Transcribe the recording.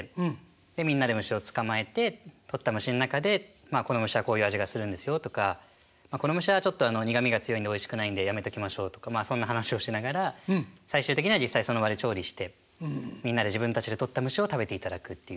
でみんなで虫を捕まえて捕った虫の中でまあこの虫はこういう味がするんですよとかこの虫はちょっと苦みが強いのでおいしくないんでやめときましょうとかまあそんな話をしながら最終的には実際その場で調理してみんなで自分たちで捕った虫を食べていただくっていう。